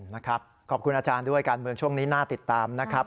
นะครับขอบคุณอาจารย์ด้วยการเมืองช่วงนี้น่าติดตามนะครับ